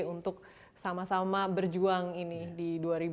untuk sama sama berjuang ini di dua ribu dua puluh dua ribu dua puluh satu